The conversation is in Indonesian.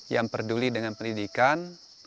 yang peduli dengan pendidikan